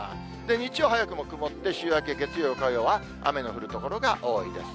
日曜、早くも曇って、週明け月曜、火曜は雨の降る所が多いです。